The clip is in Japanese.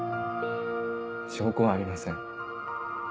証拠はありません。